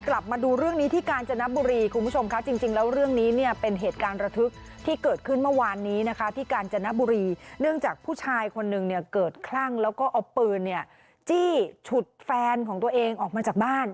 มาดูเรื่องนี้ที่กาญจนบุรีคุณผู้ชมค่ะจริงแล้วเรื่องนี้เนี่ยเป็นเหตุการณ์ระทึกที่เกิดขึ้นเมื่อวานนี้นะคะที่กาญจนบุรีเนื่องจากผู้ชายคนนึงเนี่ยเกิดคลั่งแล้วก็เอาปืนเนี่ยจี้ฉุดแฟนของตัวเองออกมาจากบ้าน